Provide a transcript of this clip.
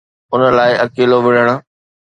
ان لاءِ اڪيلو وڙهڻ